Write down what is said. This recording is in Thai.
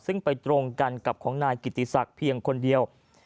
ซึ่งไปตรงกันกับของนายกิติศักดิ์เพียงคนเดียว